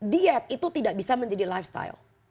diet itu tidak bisa menjadi lifestyle